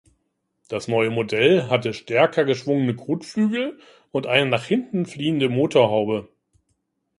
Das neue Modell hatte stärker geschwungene Kotflügel und eine nach hinten fliehende Motorhaube.